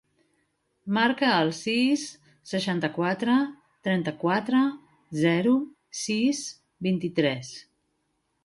Marca el sis, seixanta-quatre, trenta-quatre, zero, sis, vint-i-tres.